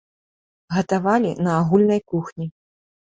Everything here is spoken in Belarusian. Гатавалі на агульнай кухні.